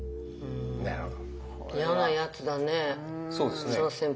あなるほど。